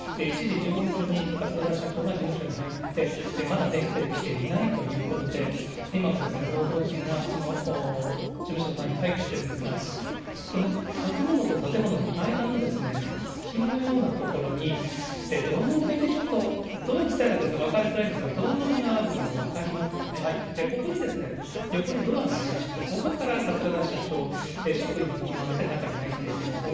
１時１５分ごろに桂田社長が事務所に入って、まだ出てきていないということで、今も報道陣が、その事務所の前に待機してるんですが、建物と建物の間の隙間のような所に、ドアノブだけちょっと、ドア自体が、分かりづらいんですが、ドアノブがあるのが分かりますかね、ここに、横にドアがありまして、ここから桂田社長、職員に伴われて中に入っていきました。